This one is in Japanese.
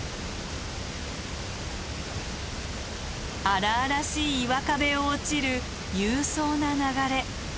荒々しい岩壁を落ちる勇壮な流れ。